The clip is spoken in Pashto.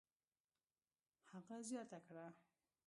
هغه زیاته کړه: